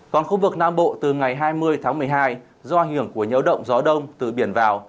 còn khu vực nam bộ từ ngày hai mươi tháng một mươi hai do ảnh hưởng của nhấu động gió đông từ biển vào